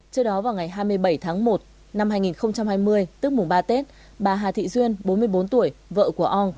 trước đó vào ngày hai mươi bảy tháng một năm hai nghìn hai mươi tức mùng ba tết bà hà thị duyên bốn mươi bốn tuổi vợ của ong